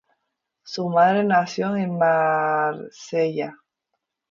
Su madre nació en Marsella.